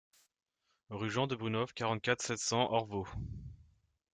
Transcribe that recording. Rue Jean de Brunhoff, quarante-quatre, sept cents Orvault